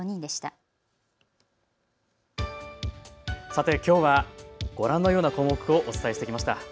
さて、きょうはご覧のような項目をお伝えしてきました。